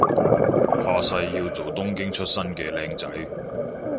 下世要做東京出身嘅靚仔